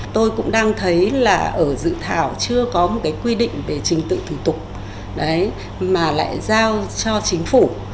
tôi cũng đang thấy là ở dự thảo chưa có một cái quy định về trình tự thủ tục mà lại giao cho chính phủ